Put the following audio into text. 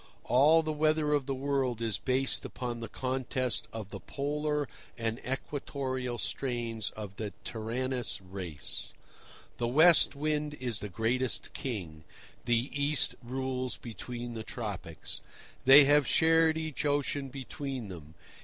All the weather of the world is based upon the contest of the Polar and Equatorial strains of that tyrannous race. The West Wind is the greatest king. The East rules between the Tropics. They have shared each ocean between them.